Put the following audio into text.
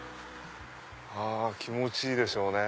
気持ちいいでしょうね。